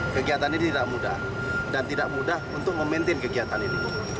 kegiatan ini tidak mudah dan tidak mudah untuk memaintain kegiatan ini